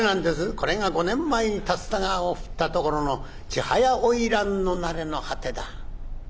「これが５年前に竜田川を振ったところの千早花魁の成れの果てだ」。